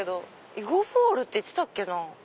囲碁ボールって言ってたっけな。